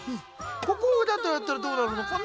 ここだったらどうなるのかな？